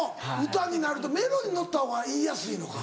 歌になるとメロに乗った方が言いやすいのか。